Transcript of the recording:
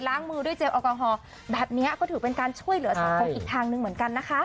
มือด้วยเจลแอลกอฮอล์แบบนี้ก็ถือเป็นการช่วยเหลือสังคมอีกทางหนึ่งเหมือนกันนะคะ